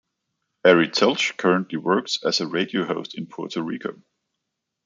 Ari Telch currently works as a radio host in Puerto Rico.